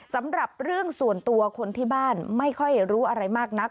สำหรับเรื่องส่วนตัวคนที่บ้านไม่ค่อยรู้อะไรมากนัก